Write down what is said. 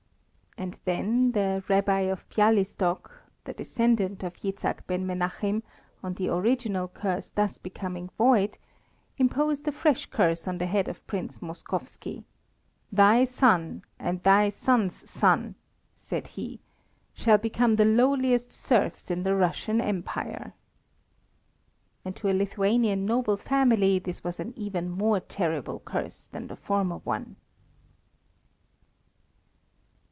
And then the Rabbi of Bialystok, the descendant of Jitzchak Ben Menachim, on the original curse thus becoming void, imposed a fresh curse on the head of Prince Moskowski: "Thy son and thy son's son," said he, "shall become the lowliest serfs in the Russian Empire!" And to a Lithuanian noble family this was an even more terrible curse than the former one.